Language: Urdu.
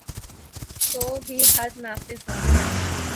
تو بھی حد نافذ ہو گی۔